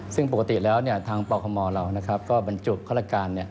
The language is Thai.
ซึ่งปกติแล้วทางปคมเรานะครับก็บรรจุฆ่าละการ